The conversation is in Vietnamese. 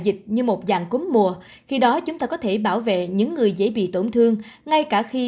dịch như một dạng cúm mùa khi đó chúng ta có thể bảo vệ những người dễ bị tổn thương ngay cả khi